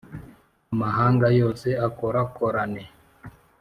amahanga yose akorakorane!